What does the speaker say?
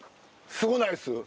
すごないです？